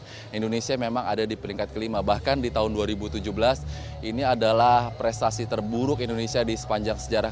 karena indonesia memang ada di peringkat kelima bahkan di tahun dua ribu tujuh belas ini adalah prestasi terburuk indonesia di sepanjang sejarah